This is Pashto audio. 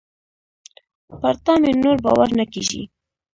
پر تا مي نور باور نه کېږي .